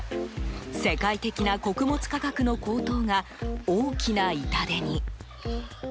世界的な穀物価格の高騰が大きな痛手に。